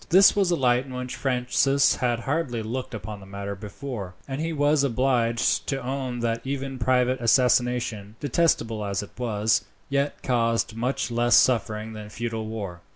This was a light in which Francis had hardly looked upon the matter before, and he was obliged to own that even private assassination, detestable as it was, yet caused much less suffering than feudal war.